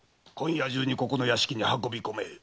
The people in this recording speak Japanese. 今夜中にこの屋敷に運び込め。